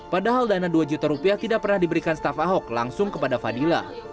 padahal dana dua juta rupiah tidak pernah diberikan staff ahok langsung kepada fadila